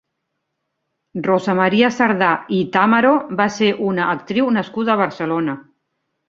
Rosa Maria Sardà i Tàmaro va ser una actriu nascuda a Barcelona.